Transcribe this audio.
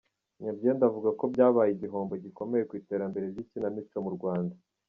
Nyabyenda avuga ko byabaye igihombo gikomeye ku iterambere ry’Ikinamico mu Rwanda.